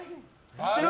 知ってる？